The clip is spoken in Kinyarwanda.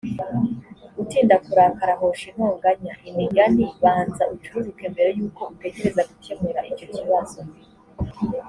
utinda kurakara ahosha intonganya imigani banza ucururuke mbere y uko utekereza gukemura icyo kibazo